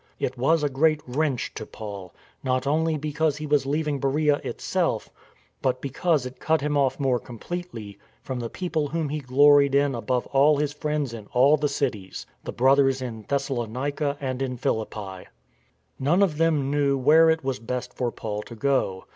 It was a great wrench to Paul; not only because he was leaving Beroea itself, but because it cut him off more completely from the people whom he gloried in above all his friends in all the cities — the Brothers in Thessalonica and in Philippi. None of them knew where it was best for Paul to go.